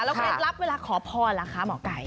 แล้วเป็นลับเวลาขอพรละคะหมอไก่